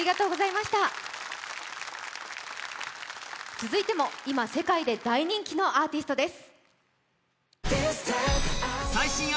続いても、今世界で大人気のアーティストです。